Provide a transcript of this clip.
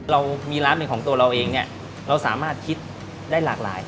เรามีร้านหนึ่งของตัวเราเองเนี่ยเราสามารถคิดได้หลากหลาย